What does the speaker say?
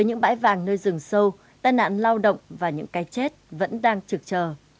những bãi vàng nơi rừng sâu tai nạn lao động và những cái chết vẫn đang trực chờ